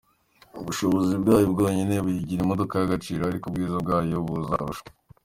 Ubushobozi bwayo bwonyine buyigira imodoka y’agaciro, ariko ubwiza bwayo buza ari akarusho.